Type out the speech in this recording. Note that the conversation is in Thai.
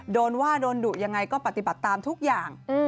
โดนว่าโดนดุยังไงก็ปฏิบัติตามทุกอย่าง